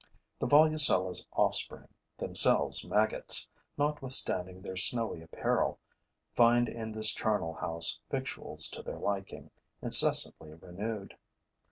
The Volucella's offspring, themselves maggots, notwithstanding their snowy apparel, find in this charnel house victuals to their liking, incessantly renewed.